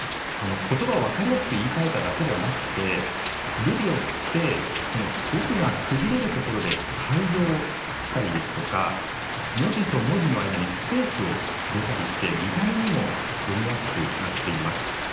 ことばを分かりやすく言いかえただけではなくてルビを振って語句が区切れるところで改行したり、文字と文字の間にスペースを入れたりして見た目にも読みやすくなってます。